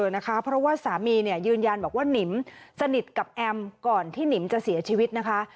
เพราะว่าสามีเนี่ยยืนยันบอกว่าหนิมสนิทกับแอมก่อนที่หนิมจะเสียชีวิตนะคะ